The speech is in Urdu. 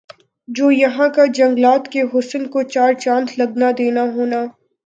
جو یَہاں کا جنگلات کےحسن کو چار چاند لگنا دینا ہونا